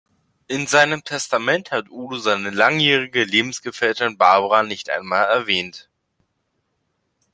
In seinem Testament hat Udo seine langjährige Lebensgefährtin Barbara nicht einmal erwähnt.